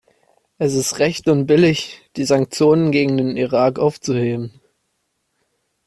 Es ist recht und billig, die Sanktionen gegen den Irak aufzuheben.